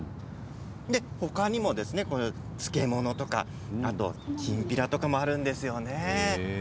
他にも漬物とかきんぴらとかもあるんですよね。